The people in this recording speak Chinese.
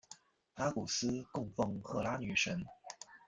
阿古斯供奉赫拉女神。